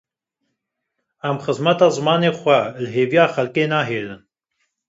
Em xizmeta zimanê xwe li hêviya xelkê nehêlin.